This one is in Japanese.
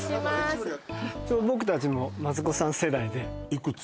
ちょうど僕たちもマツコさん世代でいくつ？